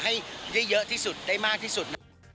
ให้ได้เยอะที่สุดได้มากที่สุด